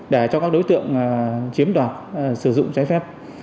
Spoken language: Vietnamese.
để cho các đối tượng chiếm đoạt sử dụng trái phép